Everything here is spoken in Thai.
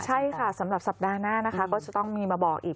ใช่ค่ะสำหรับสัปดาห์หน้านะคะก็จะต้องมีมาบอกอีก